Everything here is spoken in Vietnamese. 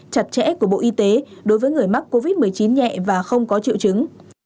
chặt chẽ của bộ y tế đối với người mắc covid một mươi chín nhẹ và không có triệu chứng